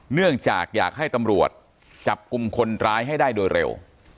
เนื่องจากอยากให้ตำรวจจับกลุ่มคนร้ายให้ได้โดยเร็ว